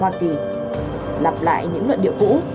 hoa kỳ lặp lại những luận điệu cũ